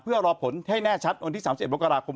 เพื่อรอผลให้แน่ชัดวันที่๓๑มกราคม